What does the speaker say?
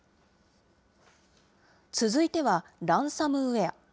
続いては、ランサムウエア。